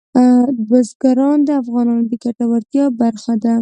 بزګان د افغانانو د ګټورتیا برخه ده.